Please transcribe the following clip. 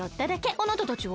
あなたたちは？